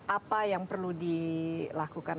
apa yang perlu dilakukan